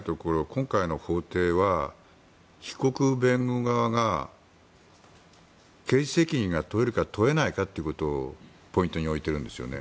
今回の法廷は被告弁護側が刑事責任が問えるか問えないかということをポイントに置いているんですよね。